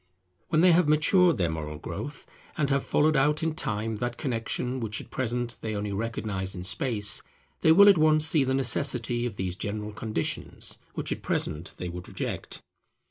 When they have matured their moral growth, and have followed out in Time that connexion which at present they only recognize in Space, they will at once see the necessity of these general conditions which at present they would reject.